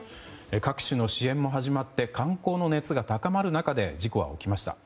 各種の支援も始まって観光の熱が高まる中で事故は起きました。